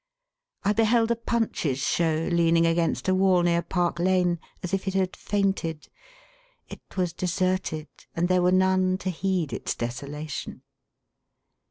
I beheld a Punch's Show leaning against a wall near Park Lane, as if it had fainted. It was deserted, and there were none to heed its desolation.